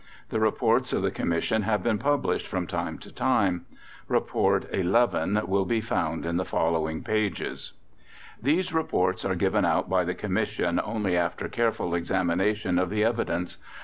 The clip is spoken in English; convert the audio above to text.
The Reports of the Commission have been published from time to time. Report XI will be found in the following pages. These reports are given out by the Commission only after careful examination of the evidence.